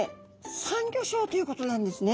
サンギョ礁ということなんですね。